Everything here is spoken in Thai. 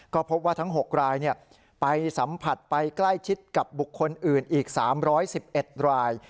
ก็พบว่าทั้ง๖รายไปสัมผัสไปใกล้ชิดกับบุคคลอื่นอีก๓๑๑ราย